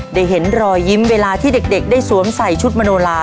ได้เห็นรอยยิ้มเวลาที่เด็กได้สวมใส่ชุดมโนลา